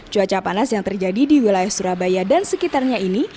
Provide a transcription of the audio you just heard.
cuaca panas yang terjadi di wilayah surabaya dan sekitarnya ini